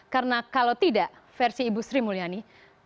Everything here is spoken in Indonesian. karena kalau tidak versi ibu sri mulyani